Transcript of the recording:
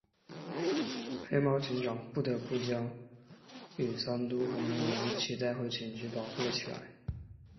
黑猫警长不得不将牟三嘟和能源一起带回警局保护了起来。